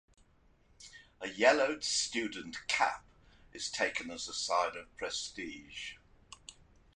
A yellowed student cap is taken as a sign of prestige.